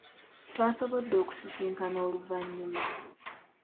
Twasobodde okusisinkana oluvannyuma.